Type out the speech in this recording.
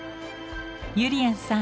ゆりやんさん